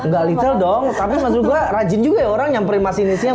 gak little dong tapi maksud gua rajin juga ya orang nyamperin masinisnya